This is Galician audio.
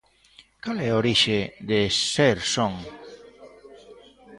Cal é a orixe de 'Ser Son'?